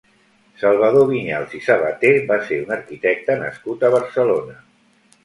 Salvador Vinyals i Sabaté va ser un arquitecte nascut a Barcelona.